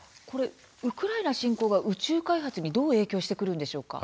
ウクライナ侵攻が宇宙開発にどう影響してくるんでしょうか。